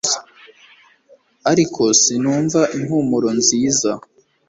ariko sinumva impumuro nziza